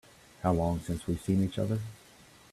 How long since we've seen each other?